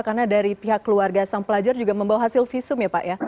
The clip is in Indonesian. karena dari pihak keluarga sang pelajar juga membawa hasil visum ya pak